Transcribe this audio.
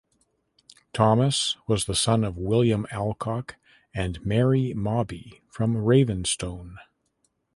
Thomas was the son of William Alcock and Mary Mawbey from Ravenstone.